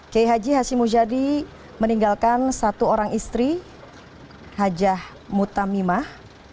kiai haji hashim mujadi meninggalkan satu orang istri hajah mutamimah